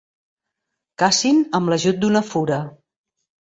Cacin amb l'ajut d'una fura.